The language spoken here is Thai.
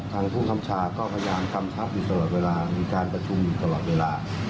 ทางผู้คำชาก็พยายามกำชับอยู่ตลอดเวลามีการประชุมอยู่ตลอดเวลา